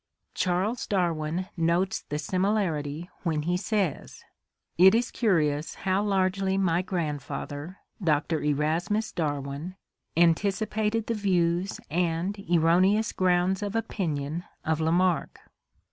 Charles Darwin notes the similarity when he says: "It is curious how largely my grandfather, Dr. Erasmus Darwin, antic ipated the views and erroneous grounds of opinion of Lamarck."